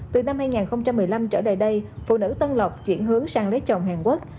từ năm hai nghìn một mươi năm trở lại đây phụ nữ tân lộc chuyển hướng sang lấy chồng hàn quốc